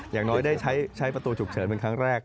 อย่างน้อยได้ใช้ประตูฉุกเฉินเป็นครั้งแรก